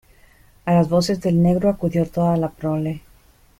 a las voces del negro acudió toda la prole.